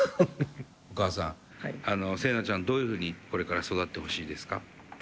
お母さんセイナちゃんどういうふうにこれから育ってほしいですか？